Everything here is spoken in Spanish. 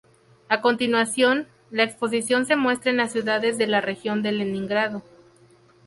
A continuación, la exposición se muestra en las ciudades de la región de Leningrado.